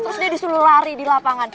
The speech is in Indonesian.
terus dia disuruh lari di lapangan